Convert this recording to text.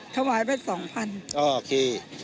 ถ่วายไป๒๐๐๐อ๋อโอเค